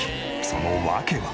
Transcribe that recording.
その訳は。